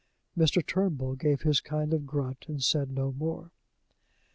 Mr. Turnbull gave his kind of grunt, and said no more."